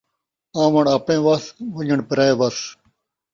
آوݨ آپݨے وس، ونڄݨ پرائے وس